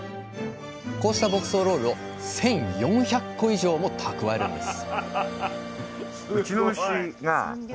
こうした牧草ロールを１，４００個以上もたくわえるんです